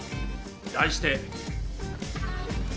題して。